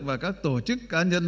và các tổ chức cá nhân